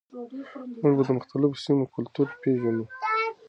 موږ د مختلفو سیمو کلتور پیژنو.